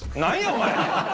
お前！